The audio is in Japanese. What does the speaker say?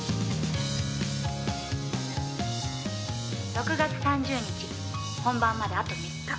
「６月３０日本番まであと３日」